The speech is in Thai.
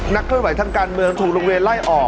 เคลื่อนไหวทางการเมืองถูกโรงเรียนไล่ออก